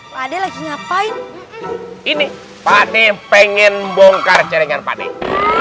wadih ngapain ini pak neng pengen bongkar jaringan pak neng